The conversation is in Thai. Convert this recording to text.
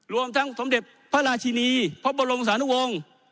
รวมทั้งสมเด็จพระราชินีพระบรมศาลวงศ์